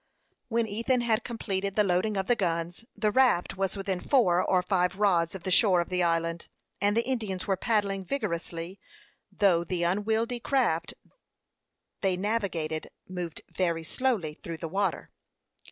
When Ethan had completed the loading of the guns, the raft was within four or five rods of the shore of the island, and the Indians were paddling vigorously, though the unwieldy craft they navigated moved very slowly through the water.